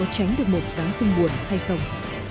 tránh được một giáng sinh buồn hay không